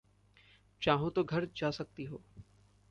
चाहो तो घर जा सकती हो।